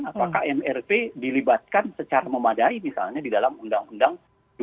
apakah mrp dilibatkan secara memadai misalnya di dalam undang undang dua dua ribu dua puluh satu